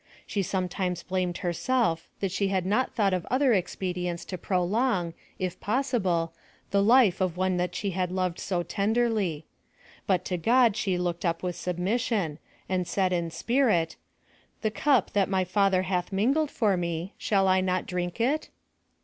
She sometimes blamed herself tha4 she had not thought of other expedients to prolong, if possible, the life of one that she loved so tenderly ; but to God she looked up with submission, and said in spirit, "the cup that my father hath mingled foi me, shall I not drink it?"